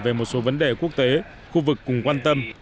về một số vấn đề quốc tế khu vực cùng quan tâm